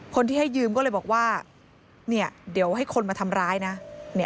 คนที่ให้ยืมก็เลยบอกว่าเนี่ยเดี๋ยวให้คนมาทำร้ายนะ